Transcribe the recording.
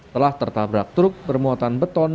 telah tertabrak truk bermuatan beton